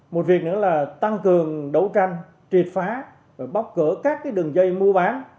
một việc nữa là tăng cường đấu tranh trệt phá bóc cửa các đường dây mua bán